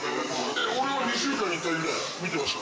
俺は２週間に１回くらいは見てました。